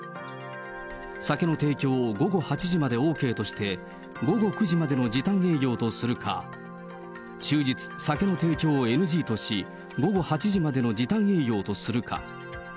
酒の提供を午後８時までＯＫとして、午後９時までの時短営業とするか、終日、酒の提供をＮＧとし、午後８時までの時短営業とするか。